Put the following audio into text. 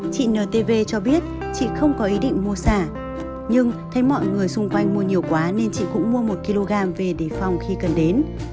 chị ntv cho biết chị không có ý định mua xả nhưng thấy mọi người xung quanh mua nhiều quá nên chị cũng mua một kg về để phòng khi cần đến